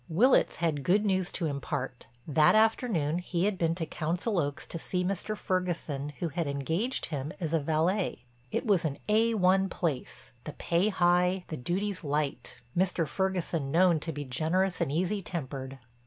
Willitts had good news to impart; that afternoon he had been to Council Oaks to see Mr. Ferguson who had engaged him as valet. It was an A1 place, the pay high, the duties light, Mr. Ferguson known to be generous and easy tempered.